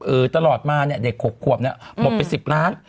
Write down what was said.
เออตลอดมาเนี่ยเด็กขวบหมดไป๑๐ล้าน